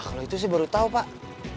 kalau itu sih baru tahu pak